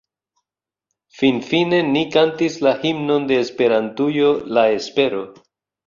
Finfine ni kantis la himnon de Esperantujo La espero.